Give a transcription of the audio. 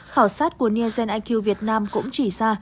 khảo sát của nielsen iq việt nam cũng chỉ ra